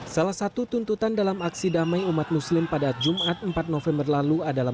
salah satu tuntutan dalam aksi damai umat muslim pada jumat empat november lalu adalah